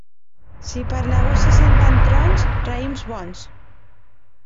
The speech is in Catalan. Si per l'agost se senten trons, raïms bons.